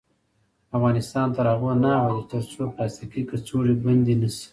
افغانستان تر هغو نه ابادیږي، ترڅو پلاستیکي کڅوړې بندې نشي.